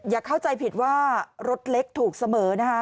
เข้าใจผิดว่ารถเล็กถูกเสมอนะคะ